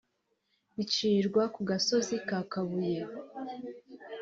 bicirwa ku gasozi ka Kabuye